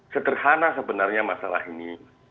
seterhana sebenarnya masalah ini